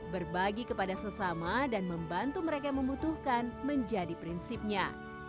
berbagi kepada sesama dan membantu mereka yang membutuhkan menjadi prinsipnya